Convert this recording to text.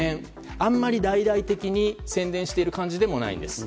あんまり大々的に宣伝している感じでもないんです。